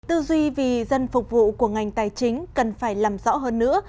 tư duy vì dân phục vụ của ngành tài chính cần phải làm rõ hơn nữa